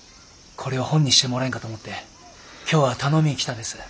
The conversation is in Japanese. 本にしてもらえんかと思って今日は頼みぃ来たです。